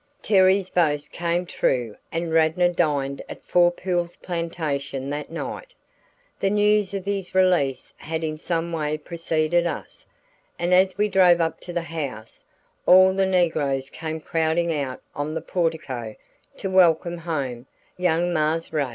Terry's boast came true and Radnor dined at Four Pools Plantation that night. The news of his release had in some way preceded us, and as we drove up to the house, all the negroes came crowding out on the portico to welcome home "young Marse Rad."